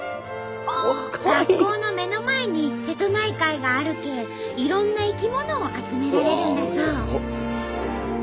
学校の目の前に瀬戸内海があるけえいろんな生き物を集められるんだそう。